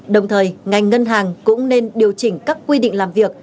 đồng thời ngành ngân hàng cũng nên điều chỉnh các quy định làm việc